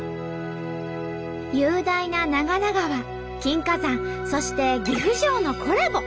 雄大な長良川金華山そして岐阜城のコラボ。